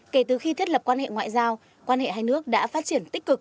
kể từ khi thiết lập quan hệ ngoại giao quan hệ hai nước đã phát triển tích cực